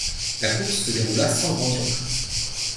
La course se déroula sans grande surprise.